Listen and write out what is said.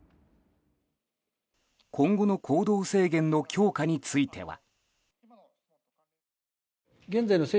今後の行動制限の強化については。